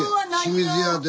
清水屋で。